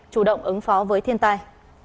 chủ động ứng phó với thiên tai